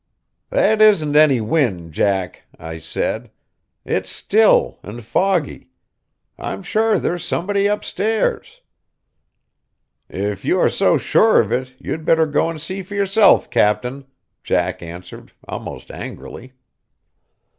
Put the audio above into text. "That isn't any wind, Jack," I said; "it's still and foggy. I'm sure there's somebody upstairs." "If you are so sure of it, you'd better go and see for yourself, captain," Jack answered, almost angrily.